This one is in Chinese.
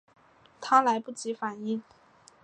她来不及反应